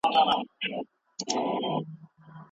کمپيوټر ستونزي حلوي.